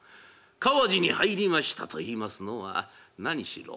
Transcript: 川路に入りましたといいますのは何しろ